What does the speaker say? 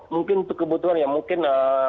mungkin kebutuhan ya mungkin